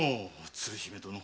鶴姫殿。